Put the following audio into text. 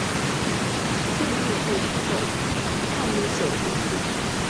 并被列为武汉优秀历史建筑。